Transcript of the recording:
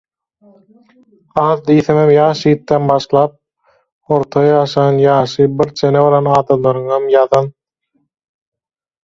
Az diýsemem ýaş ýigitden başlap, orta ýaşan, ýaşy bir çene baran adamlaryňam ýazan